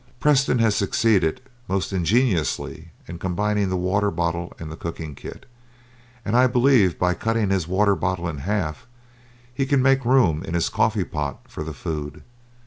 Preston has succeeded most ingeniously in combining the water bottle and the cooking kit, and I believe by cutting his water bottle in half, he can make room in his coffee pot for the food.